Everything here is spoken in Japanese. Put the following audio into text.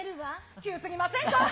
急すぎませんか？